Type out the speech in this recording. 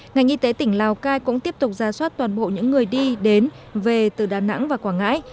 ngành y tế tỉnh lào cai cũng tiếp tục ra soát toàn bộ những người đi đến về từ đà nẵng và quảng ngãi